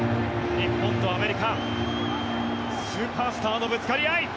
日本とアメリカスーパースターのぶつかりあい！